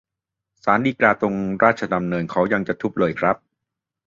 ศาลฎีกาตรงราชดำเนินเขายังจะทุบเลยครับ